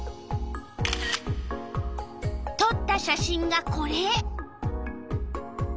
とった写真がこれ。